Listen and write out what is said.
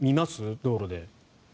道路で。